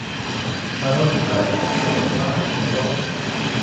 কারণ নিসার আলির ছাত্র শেষ পর্যন্ত ইমা নামের একটি মেয়ের খবর পত্রিকায় পেয়েছে।